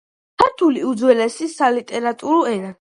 ქართული უძველესი სალიტერატურო ენაა